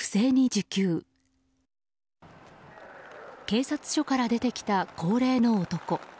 警察署から出てきた高齢の男。